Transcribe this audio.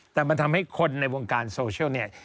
แต่มันทำให้คนในวงการโซเชียลเนี่ย